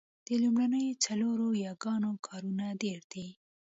د لومړنیو څلورو یاګانو کارونه ډېره ده